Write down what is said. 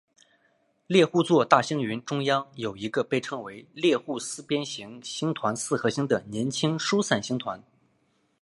猎户座大星云中央有一个被称为猎户四边形星团四合星的年轻疏散星团。